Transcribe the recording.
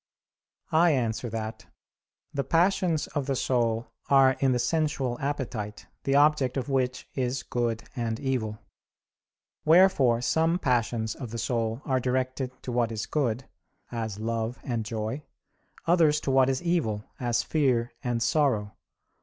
I answer that, The passions of the soul are in the sensual appetite, the object of which is good and evil. Wherefore some passions of the soul are directed to what is good, as love and joy; others to what is evil, as fear and sorrow.